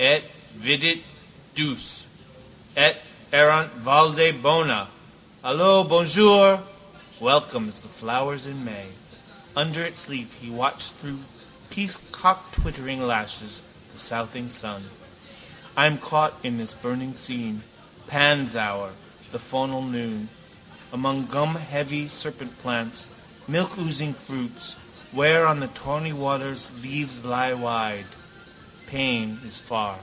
Et vidit Deus. Et erant valde bona. Alo! Bonjour. Welcome as the flowers in May. Under its leaf he watched through peacocktwittering lashes the southing sun. I am caught in this burning scene. Pan's hour, the faunal noon. Among gumheavy serpentplants, milkoozing fruits, where on the tawny waters leaves lie wide. Pain is far.